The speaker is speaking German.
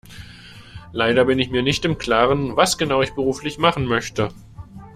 Leider bin ich mir nicht im Klaren, was genau ich beruflich machen möchte.